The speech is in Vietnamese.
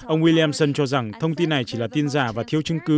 ông williamson cho rằng thông tin này chỉ là tin giả và thiếu chứng cứ cụ thể